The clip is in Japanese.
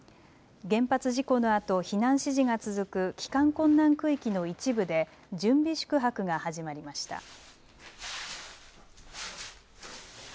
原発事故のあと避難指示が続く帰還困難区域の一部で準備宿泊が始まりました。